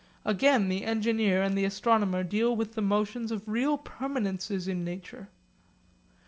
Again the engineer and the astronomer deal with the motions of real permanences in nature.